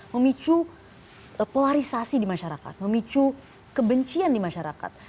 memicu polarisasi di masyarakat memicu kebencian di masyarakat